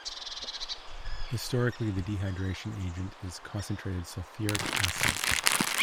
Historically, the dehydration agent is concentrated sulfuric acid.